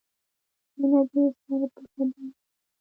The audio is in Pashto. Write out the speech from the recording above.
مینه دې سر په بدله ده.